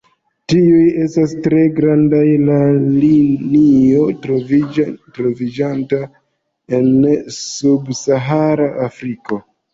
Tiuj estas tre grandaj lanioj troviĝantaj en subsahara Afriko.